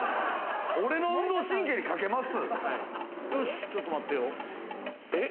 俺の運動神経にかけます？